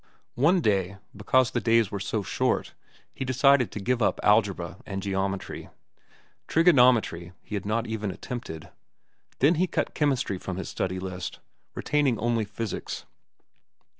One day, because the days were so short, he decided to give up algebra and geometry. Trigonometry he had not even attempted. Then he cut chemistry from his study list, retaining only physics.